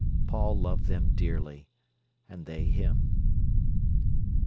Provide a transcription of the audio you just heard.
Paul loved them dearly, and they him.